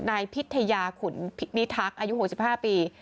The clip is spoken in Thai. นายพิทยาขุนพิทักษ์อายุ๖๕ปี